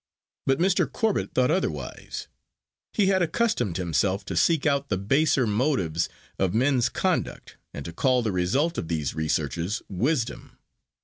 But Mr. Corbet thought otherwise; he had accustomed himself to seek out the baser motives for men's conduct, and to call the result of these researches wisdom.